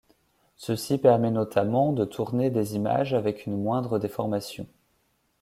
Ceci permet notamment de tourner des images avec une moindre déformation.